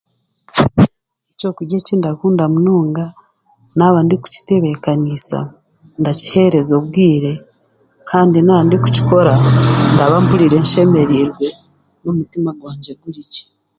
Ekyokurya eki ndakunda munonga naaba ndikukitebeekaniisa, ndakihereza obwire kandi naaba ndikukikora ndaba mpuriire nshemereirwe n'omutima gwangye guri gye.